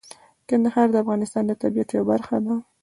کندهار د افغانستان د طبیعت یوه برخه ده.